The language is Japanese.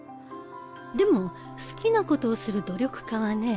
でも好きなことをする努力家はね